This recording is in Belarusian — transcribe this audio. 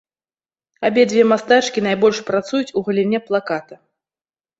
Абедзве мастачкі найбольш працуюць у галіне плаката.